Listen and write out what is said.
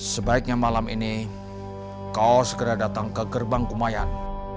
sebaiknya malam ini kau segera datang ke gerbang kumayan